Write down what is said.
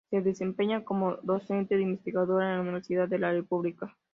Se desempeña como docente e investigadora en la Universidad de la República.